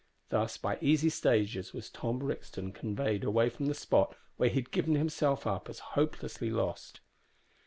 Thus, by easy stages, was Tom Brixton conveyed away from the spot where he had given himself up as hopelessly lost.